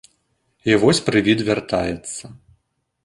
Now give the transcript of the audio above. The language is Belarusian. І вось прывід вяртаецца.